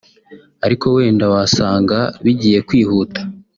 ariko wenda wasanga bigiye kwihuta